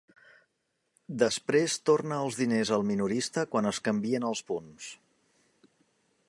Després torna els diners al minorista quan es canvien els punts.